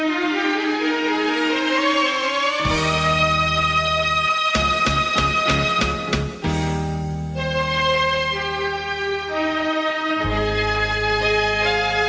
เนี้ย